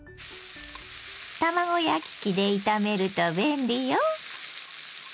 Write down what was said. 卵焼き器で炒めると便利よ。